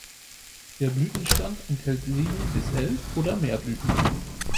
Der Blütenstand enthält sieben bis elf oder mehr Blüten.